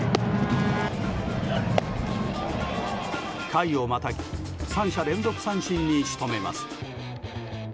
回をまたぎ３者連続三振に仕留めます。